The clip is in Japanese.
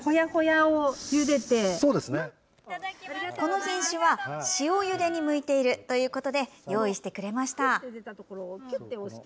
この品種は塩ゆでに向いているということで用意してくれました。